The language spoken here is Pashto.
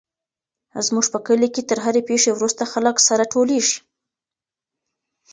زموږ په کلي کي تر هرې پېښي وروسته خلک سره ټولېږي.